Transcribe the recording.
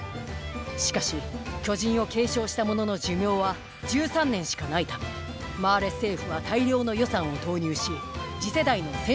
しかし巨人を継承した者の寿命は１３年しかないためマーレ政府は大量の予算を投入し次世代の戦士候補生を育成しています